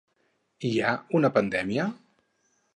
Hi ha una pandèmia?